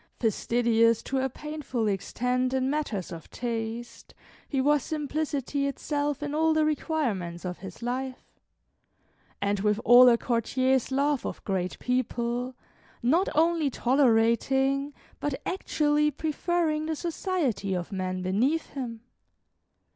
Fastidious to a painful extent in matters of taste, he was simplicity itself in all the requirements of his life; and with all a courtier's love of great people, not only tolerating, but actually preferring the society of men beneath him.